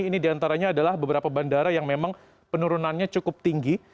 ini diantaranya adalah beberapa bandara yang memang penurunannya cukup tinggi